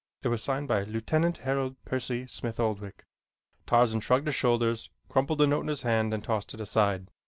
It was signed by Lieutenant Harold Percy Smith Oldwick. Tarzan shrugged his shoulders, crumpled the note in his hand and tossed it aside.